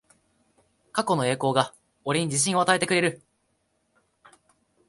過去の栄光が俺に自信を与えてくれる